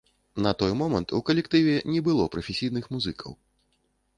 На той момант у калектыве не было прафесійных музыкаў.